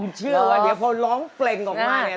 เชื่อว่าเดี๋ยวพอร้องเพลงออกมาเนี่ย